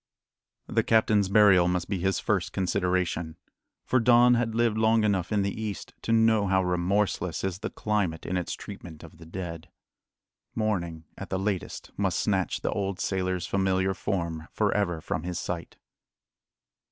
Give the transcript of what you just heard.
The captain's burial must be his first consideration; for Don had lived long enough in the East to know how remorseless is the climate in its treatment of the dead. Morning at the latest must snatch the old sailor's familiar form for ever from his sight.